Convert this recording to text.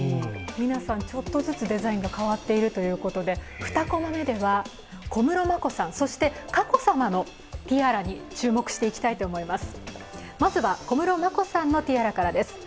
皆さん、ちょっとずつデザインが変わっているということで、２コマ目では小室眞子さん、佳子さまのティアラに注目したいと思います。